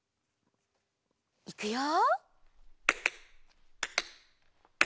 いくよ。